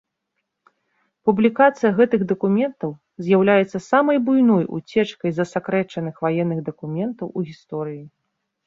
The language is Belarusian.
Публікацыя гэтых дакументаў з'яўляецца самай буйной уцечкай засакрэчаных ваенных дакументаў у гісторыі.